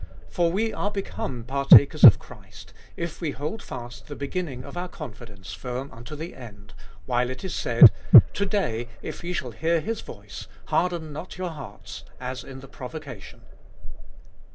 For we are become partakers of Christ, If we hold fast the beginning of our confidence firm unto the end; while It is said, 15. To day, if ye shall hear his voice, Harden not your hearts, as in the provocation.